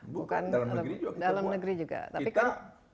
bukan dalam negeri juga kita buat